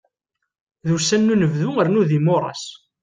D ussan n unebdu rnu d imuras.